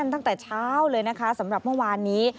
ตั้งแต่เช้าเลยสำหรับวันนี้